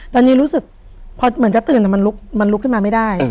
ตอนนี้รู้สึกพอเหมือนจะตื่นแต่มันลุกขึ้นมาไม่ได้